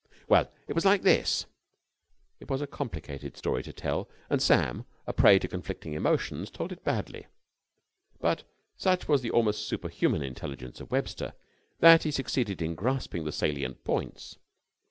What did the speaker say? "Well, it was like this." It was a complicated story to tell, and Sam, a prey to conflicting emotions, told it badly; but such was the almost superhuman intelligence of Webster, that he succeeded in grasping the salient points.